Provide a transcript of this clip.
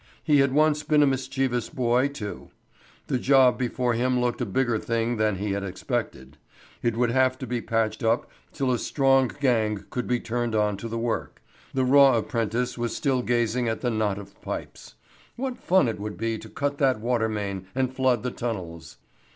He had once been a mischievous boy, too. The job before him looked a bigger thing than he had expected. It would have to be patched up till a strong gang could be turned on to the work. The raw apprentice was still gazing at the knot of pipes. What fun it would be to cut that water main and flood the tunnels!